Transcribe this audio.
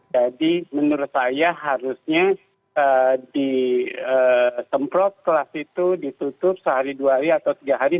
jadi menurut saya harusnya disemprot kelas itu ditutup sehari dua hari atau tiga hari